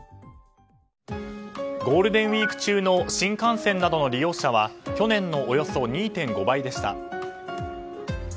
ゴールデンウィーク中の新幹線などの利用者は去年のおよそ２．５倍でした。